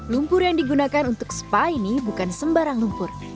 lumpur yang digunakan untuk spa ini bukan sembarang lumpur